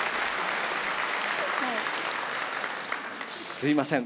すいません。